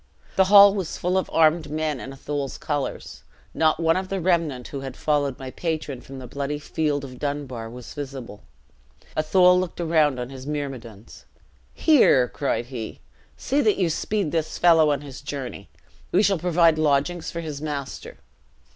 The hall was full of armed men in Athol's colors. Not one of the remnant who had followed my patron from the bloody field of Dunbar was visible. Athol looked round on his myrmidons: 'Here,' cried he, 'see that you speed this fellow on his journey. We shall provide lodgings for his master.'